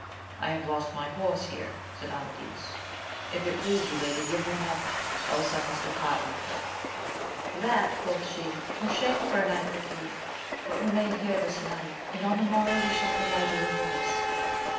I have lost my horse \i.eie> mdi kcc^s^ft^ \M >& 138 AMADIS OF GAUL please you, lady, give me another, else I must depart on foot. That, quoth she were shame for a knight like you ; but remain here this night, and on the mor row we will provide you a horse.